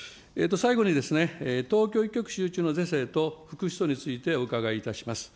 最後に、東京一極集中の是正と副首都についてお伺いいたします。